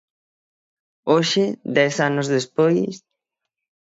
Hoxe, dez anos despois...